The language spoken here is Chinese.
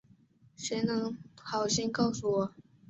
谁能好心告诉我